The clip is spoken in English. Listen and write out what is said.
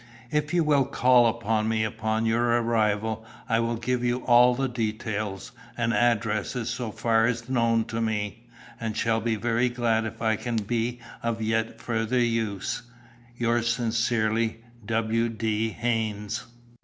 If you will call upon me upon your arrival I will give you all details and addresses so far as known to me, and shall be very glad if I can be of yet further use. "Yours sincerely, "W. D. HAYNES."